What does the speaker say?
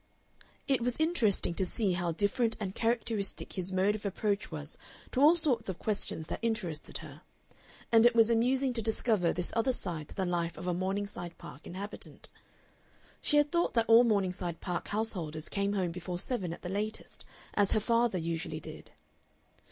It was interesting to see how different and characteristic his mode of approach was to all sorts of questions that interested her, and it was amusing to discover this other side to the life of a Morningside Park inhabitant. She had thought that all Morningside Park householders came home before seven at the latest, as her father usually did.